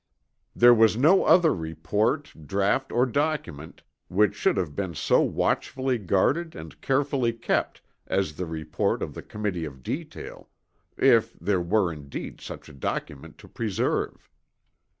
There was no other report, draught or document which should have been so watchfully guarded and carefully kept as the report of the Committee of Detail, if there were indeed such a document to preserve.